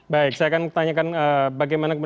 baik saya akan tanyakan bagaimana